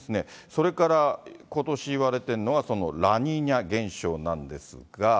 それからことしいわれているのは、ラニーニャ現象なんですが。